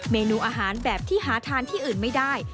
เมนูอาหารแบบที่หาทานที่อื่นไม่ได้